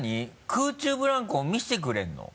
空中ブランコを見せてくれるの？